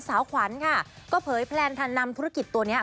สาวขวัญค่ะก็เผยแพลนทันนำธุรกิจตัวเนี้ย